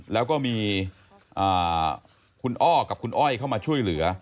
แล้วก็มีคุณอ้อกับคุณอ้อยเข้ามาช่วยเหลือ